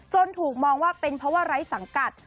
ถูกมองว่าเป็นเพราะว่าไร้สังกัด